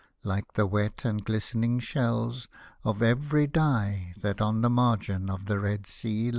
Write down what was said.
Like the wet, glistening shells, of every dye, That on the margin of the Red Sea lie.